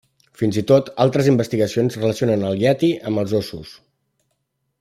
Fins i tot altres investigacions relacionen al ieti amb els óssos.